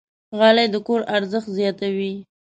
غالۍ د کور ارزښت زیاتوي.